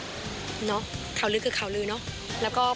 ใช่คาวรื้อคือคาวรื้อเนาะ